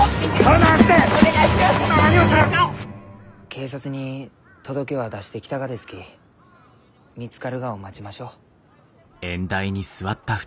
警察に届けは出してきたがですき見つかるがを待ちましょう。